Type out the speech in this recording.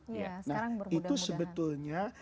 nah itu sebetulnya